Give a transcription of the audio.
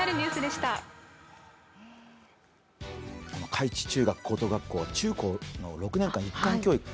開智中学・高等学校は中高の６年間一貫教育。